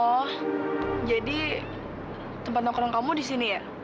oh jadi tempat nongkrong kamu disini ya